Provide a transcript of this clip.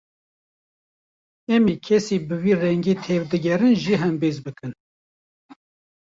Em ê kesên bi vî rengî tevdigerin jî hembêz bikin